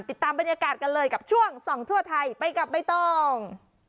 ติดตามบรรยากาศกันเลยกับช่วงส่องทั่วไทยไปกับใบตอง